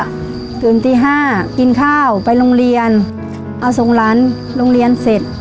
ตื่นตีห้ากินข้าวไปโรงเรียนเอาส่งหลานโรงเรียนเสร็จ